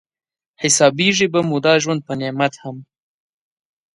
حسابېږي به مو دا ژوند په نعمت هم